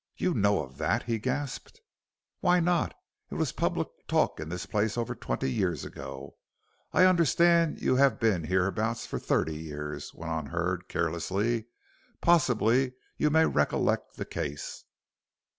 "You know of that?" he gasped. "Why not? It was public talk in this place over twenty years ago. I understand you have been here abouts for thirty years," went on Hurd, carelessly, "possibly you may recollect the case."